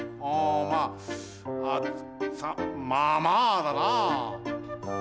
まああつさまあまあだなあ。